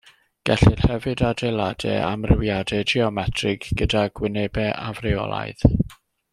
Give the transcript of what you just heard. Gellir hefyd adeiladu amrywiadau geometrig gydag wynebau afreolaidd.